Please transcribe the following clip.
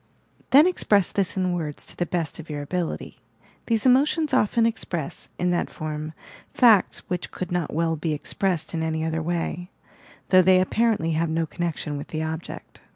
Then express this in words to the best of your ability. These emotions often express, in that form, facts which could not well be expressed in any other way, though they apparently have no connection with the object.